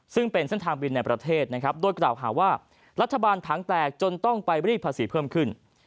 ซึ่งเป็นเส้นทางบินในประเทศนะครับโดยกล่าวหาว่ารัฐบาลถังแตกจนต้องไปรีดภาษีเพิ่มขึ้น